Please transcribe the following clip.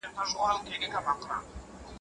که ښوونکی تشریح وکړي، ناسم فهم نه پیدا کېږي.